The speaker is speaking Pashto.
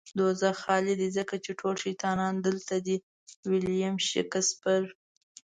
دوزخ خالی دی ځکه چې ټول شيطانان دلته دي. ويلييم شکسپير